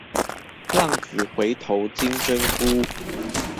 浪子回頭金針菇